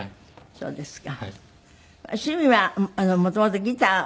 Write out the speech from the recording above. そうですか。